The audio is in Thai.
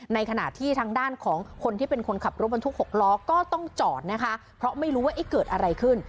ในขณะที่ทางด้านของคนที่เป็นคนขับรถบรรทุก๖ล้อก็ต้องจอดนะคะเพราะไม่รู้ว่าเอ๊ะเกิดอะไรขึ้น